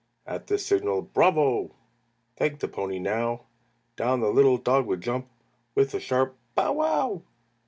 At the signal "Bravo! Thank the pony now!" Down the little dog would jump With a sharp "Bow wow!"